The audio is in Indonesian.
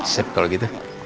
sip kalau gitu